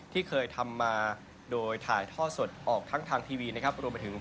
ที่เคยทำมาโดยถ่ายท่อสดออกทั้งทางทีวีนะครับรวมไปถึง